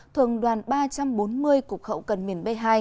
thuần đoàn ba trăm bốn mươi cục hậu cần miền b hai